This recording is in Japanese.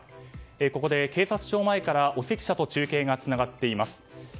ここで警察庁前から尾瀬記者と中継がつながっています。